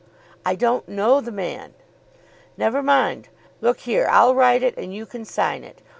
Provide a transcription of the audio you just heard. "I don't know the man." "Never mind. Look here I'll write it, and you can sign it."